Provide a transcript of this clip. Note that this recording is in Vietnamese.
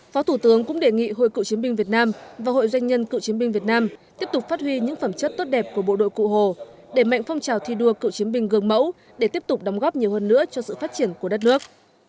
phó thủ tướng cũng đề nghị hội cựu chiến binh việt nam và hội doanh nhân cựu chiến binh việt nam tiếp tục phát huy những phẩm chất tốt đẹp của bộ đội cụ hồ đẩy mạnh phong trào thi đua cựu chiến binh gương mẫu để tiếp tục đóng góp nhiều hơn nữa cho sự phát triển của đất nước